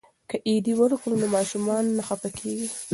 که عیدي ورکړو نو ماشومان نه خفه کیږي.